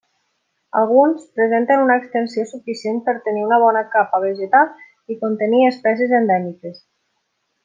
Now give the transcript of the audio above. Alguns presenten una extensió suficient per tenir una bona capa vegetal i contenir espècies endèmiques.